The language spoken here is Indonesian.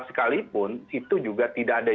sekalipun itu juga tidak ada